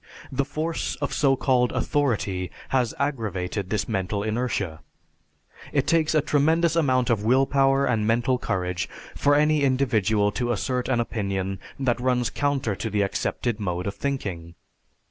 The force of so called authority has aggravated this mental inertia. It takes a tremendous amount of will power and mental courage for any individual to assert an opinion that runs counter to the accepted mode of thinking.